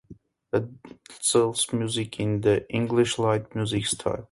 Addinsell's music is in the "English light music" style.